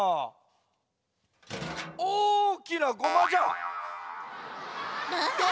おおきなごまじゃ。